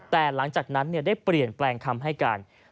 แต่หลังจากนั้นได้เปลี่ยนแปลงคำให้การ